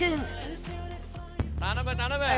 頼む頼む！